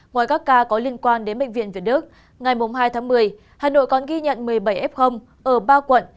ngoài các ca có liên quan đến bệnh viện việt đức ngày hai tháng một mươi hà nội còn ghi nhận một mươi bảy f ở ba quận